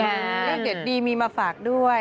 เลขเด็ดดีมีมาฝากด้วย